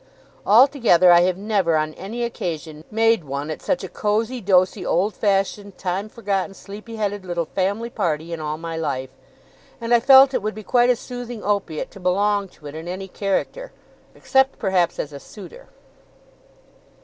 Altogether, I have never, on any occasion, made one at such a cosey, dosey, old fashioned, time forgotten, sleepy headed little family party in all my life; and I felt it would be quite a soothing opiate to belong to it in any character except perhaps as a suitor.